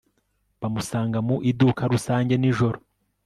Bamusanga mu iduka rusange nijoro